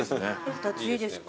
２ついいですか？